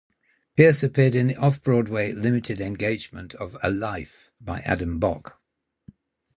Pierce appeared in the Off-Broadway limited engagement of "A Life" by Adam Bock.